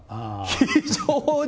非常に。